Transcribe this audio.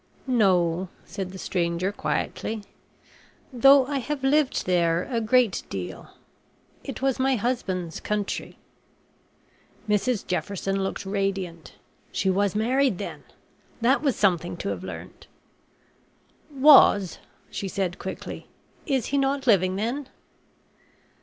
"No," said the stranger, quietly, "though I have lived there a great deal. It was my husband's country." Mrs Jefferson looked radiant. She was married, then. That was something to have learnt. "Was," she said quickly, "Is he not living then?"